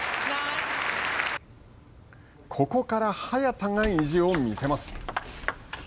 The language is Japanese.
ここから早田が意地を見せます。